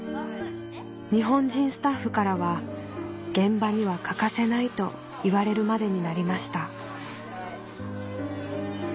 日本人スタッフからは現場には欠かせないと言われるまでになりました